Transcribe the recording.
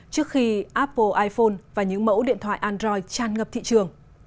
trước khi apple iphone và những mẫu điện thoại android tràn ngập thị trường